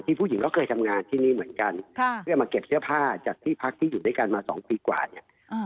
ผู้หญิงก็เคยทำงานที่นี่เหมือนกันค่ะเพื่อมาเก็บเสื้อผ้าจากที่พักที่อยู่ด้วยกันมาสองปีกว่าเนี่ย